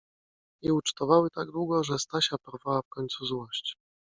I ucztowały tak długo, że Stasia porwała w końcu złość.